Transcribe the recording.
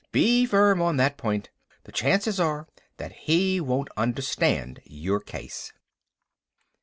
Be firm on that point. The chances are that he won't understand your case.